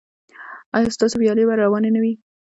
ایا ستاسو ویالې به روانې نه وي؟